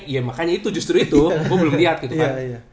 ya makanya itu justru itu gue belum lihat gitu kan